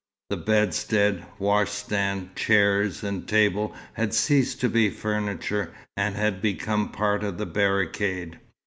The bedstead, washstand, chairs and table had ceased to be furniture, and had become part of the barricade.